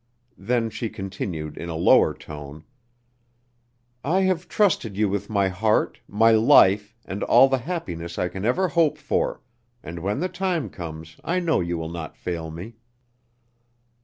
Then she continued, in a lower tone: "I have trusted you with my heart, my life, and all the happiness I can ever hope for, and when the time comes I know you will not fail me."